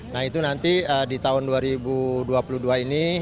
nah itu nanti di tahun dua ribu dua puluh dua ini